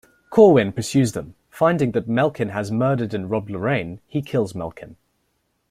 Corwin pursues them; finding that Melkin has murdered and robbed Lorraine, he kills Melkin.